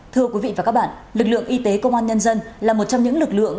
thưa quý vị và các bạn lực lượng y tế công an nhân dân là một trong những lực lượng